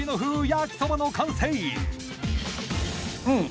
焼きそばの完成うん